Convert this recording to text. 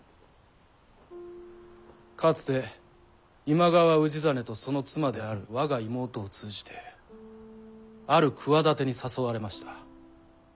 かつて今川氏真とその妻である我が妹を通じてある企てに誘われました。